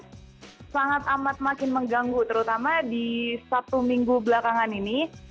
ini sangat amat makin mengganggu terutama di satu minggu belakangan ini